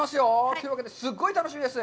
というわけですごい楽しみです。